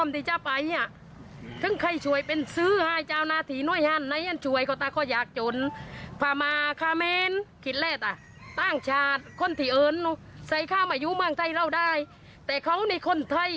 ฟรามากาเมร์สารแรกลายแต้งจาทคนที่บุญหนูใส่ข้ามมาอยู่บ้านใช่แล้วได้แต่เขานี้คนไทย